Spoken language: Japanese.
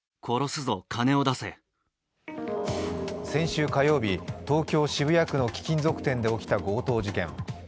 先週火曜日、東京・渋谷区の貴金属店で起きた強盗事件。